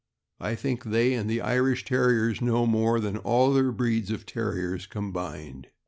I think they and the Irish Terriers know more than all the other breeds of Terriers combined.